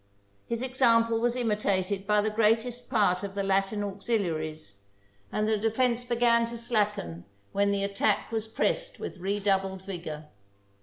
His example was imitated by the greatest part of the Latin auxiliaries, and the de THE FALL OF CONSTANTINOPLE fence began to slacken when the attack was pressed with redoubled vigour.